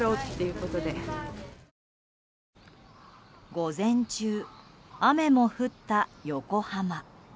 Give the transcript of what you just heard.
午前中、雨も降った横浜。